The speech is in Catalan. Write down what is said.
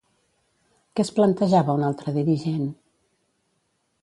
Què es plantejava un altre dirigent?